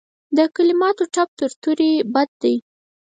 د کلماتو ټپ تر تورې بد دی.